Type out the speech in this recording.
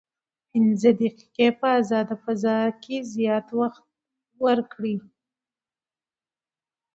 پنځه دقیقې په ازاده فضا کې زیات وخت ورکړئ.